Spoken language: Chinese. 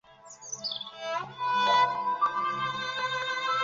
然后我们一个晚上就把它弄坏了